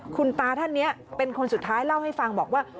คุณตาท่านนี้เป็นคนสุดท้ายเล่าให้ฟังบอกว่า